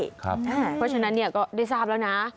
เพราะฉะนั้นก็ได้ทราบแล้วนะ